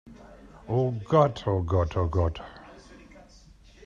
Oh Gott, oh Gott, oh Gott!